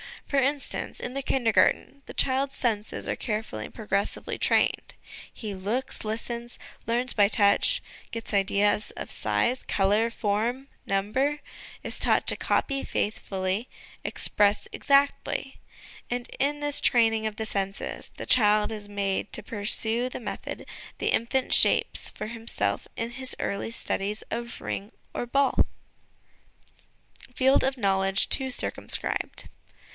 For instance, in the Kindergarten the child's senses are carefully and progressively trained : he looks, listens, learns by touch ; gets ideas of size, colour, form, number ; is taught to copy faithfully, express exactly. And in this training of the senses, the child is made to pursue the method the infant shapes for himself in his early studies of ring or ball. Field of Knowledge too circumscribed.